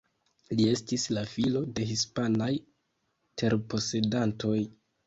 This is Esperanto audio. Li estis la filo de hispanaj terposedantoj.